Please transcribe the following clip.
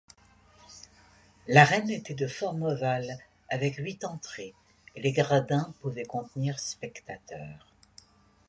L'arène était de forme ovale, avec huit entrées, et les gradins pouvaient contenir spectateurs.